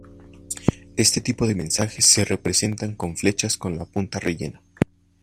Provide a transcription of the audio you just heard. Este tipo de mensajes se representan con flechas con la punta rellena.